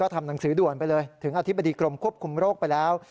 ทำหนังสือด่วนไปเลยถึงอธิบดีกรมควบคุมโรคไปแล้ว